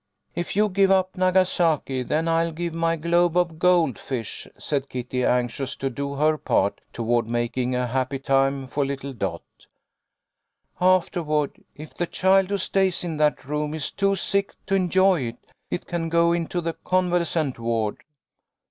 " If you give up Nagasaki then I'll give my globe of goldfish," said Kitty, anxious to do her part toward making a happy time for little Dot. " After LLOYD MAKES A DISCOVERY. 215 ward, if the child who stays in that room is too sick to enjoy it, it can go into the convalescent ward."